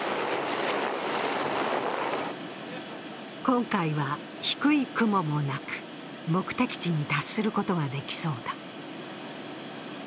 今回は低い雲もなく、目的地に達することができそうだ。